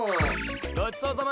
ごちそうさま。